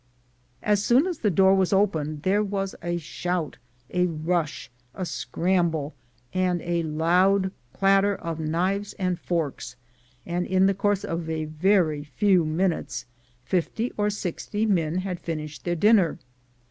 As soon as the door was opened there was a shout, a rush, a scramble, and a loud clatter of knives and forks, and in the course of a very few minutes fifty or sixty men had finished their dinner.